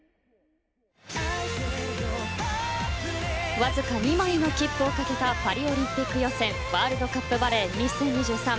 わずか２枚の切符を懸けたパリオリンピック予選ワールドカップバレー２０２３